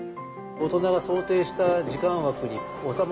大人が想定した時間枠に収まる